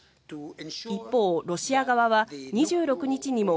一方、ロシア側は２６日にも